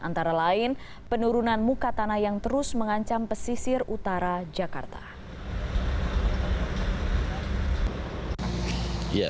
antara lain penurunan muka tanah yang terus mengancam pesisir utara jakarta